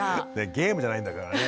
ゲームじゃないんだからね。